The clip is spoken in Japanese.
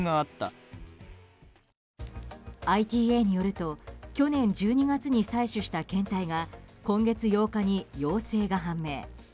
ＩＴＡによると去年１２月に採取した検体が今月８日に陽性が判明。